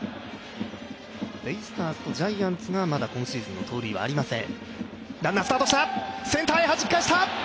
ベイスターズとジャイアンツが今シーズンまだ盗塁がありません。